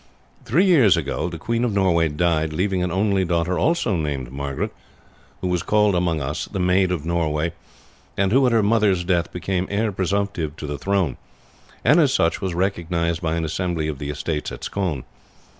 Three years ago the Queen of Norway died, leaving an only daughter, also named Margaret, who was called among us the 'Maid of Norway,' and who, at her mother's death, became heir presumptive to the throne, and as such was recognized by an assembly of the estates at Scone.